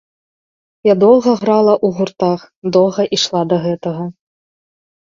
Я доўга грала ў гуртах, доўга ішла да гэтага.